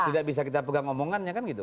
tidak bisa kita pegang omongannya kan gitu